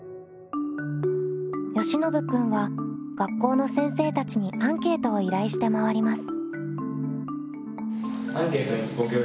よしのぶ君は学校の先生たちにアンケートを依頼して回ります。